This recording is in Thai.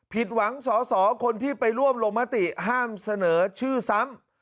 ผิดหวังสอสอคนที่ไปร่วมลงมติห้ามเสนอชื่อซ้ำ